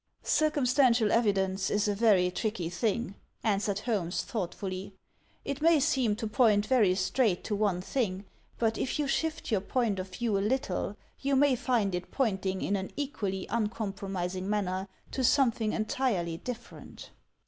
"Circumstantial evidence is a very tricky thing," answered Holmes, thoughtfully. "It may seem to point very straight to one thing, but if you shift your own point of view a little, you may find it pointing in an equally uncompromising manner to something entirely different."